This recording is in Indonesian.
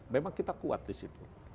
memang kita kuat di situ